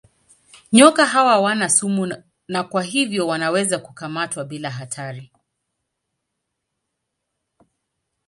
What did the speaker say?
Nyoka hawa hawana sumu na kwa hivyo wanaweza kukamatwa bila hatari.